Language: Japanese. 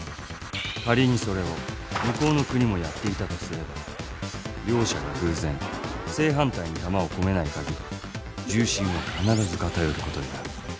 仮にそれを向こうの国もやっていたとすれば両者が偶然正反対に弾を込めないかぎり重心は必ず片寄ることになる。